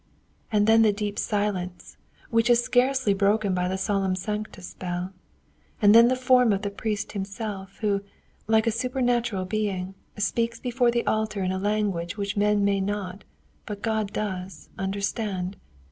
And then the deep silence, which is scarcely broken by the solemn sanctus bell; and then the form of the priest himself, who, like a supernatural being, speaks before the altar in a language which men may not, but God does, understand.